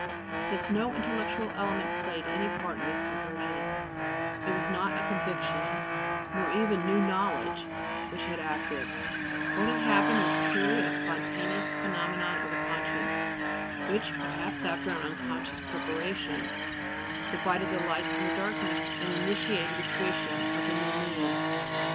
Thus no intellectual element played any part in this conversion; it was not a "conviction," nor even new "knowledge," which had acted; what had happened was purely a spontaneous phenomenon of the conscience, which, perhaps after an unconscious preparation, divided the light from the darkness and initiated the creation of the new man.